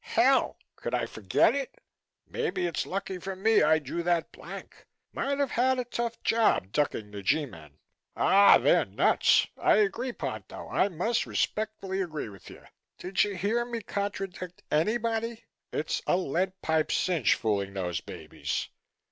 Hell! could I forget it? Maybe it's lucky for me I drew that blank. Might of had tough job ducking the G men. "Aw, they're nuts! I agree, Ponto, I must respectfully agree with you. Didja hear me contradict anybody? It's a lead pipe cinch, fooling those babies.